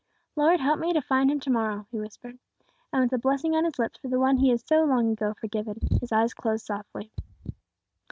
Lord help me to find him to morrow," he whispered, and with a blessing on his lips for the one he had so long ago forgiven, his eyes closed softly.